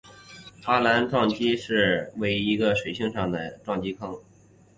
巴兰钦撞击坑是一个位于水星上的撞击坑。